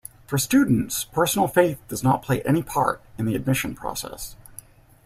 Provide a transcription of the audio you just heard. For students, personal faith does not play any part in the admission process.